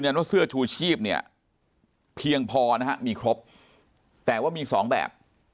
ด้วยนานว่าเสื้อชูชีพเนี่ยเพียงพอนะมีครบแต่ว่ามี๒แบบ